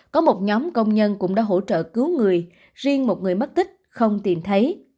có một nhóm công nhân cũng đã hỗ trợ cứu người riêng một người mất tích không tìm thấy